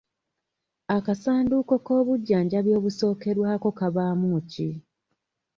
Akasanduuko k'obujjanjabi obusookerwako kabaamu ki?